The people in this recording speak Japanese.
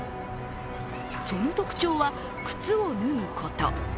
その特徴は、靴を脱ぐこと。